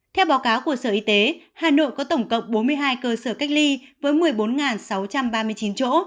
theo báo cáo của sở y tế hà nội có tổng cộng bốn mươi hai cơ sở cách ly với một mươi bốn sáu trăm ba mươi chín chỗ